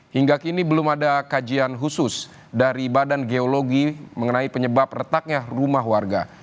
hingga kini belum ada kajian khusus dari badan geologi mengenai penyebab retaknya rumah warga